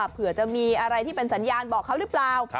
เผื่อจะมีอะไรที่เป็นสัญญาณบอกเขาหรือเปล่า